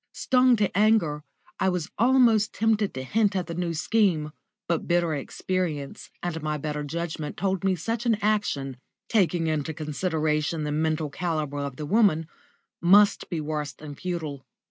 Stung to anger, I was almost tempted to hint at the New Scheme, but bitter experience and my better judgment told me such an action, taking into consideration the mental calibre of the woman, must be worse than futile.